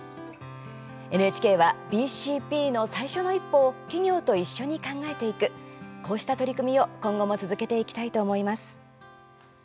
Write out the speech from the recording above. ＮＨＫはＢＣＰの最初の一歩を企業と一緒に考えていくこうした取り組みを今後も続けていきたいと思います。